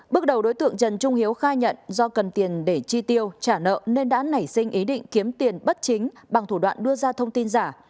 bước đầu đối tượng trần trung hiếu khai nhận do cần tiền để chi tiêu trả nợ nên đã nảy sinh ý định kiếm tiền bất chính bằng thủ đoạn đưa ra thông tin giả